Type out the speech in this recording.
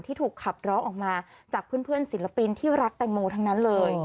ถูกขับร้องออกมาจากเพื่อนศิลปินที่รักแตงโมทั้งนั้นเลย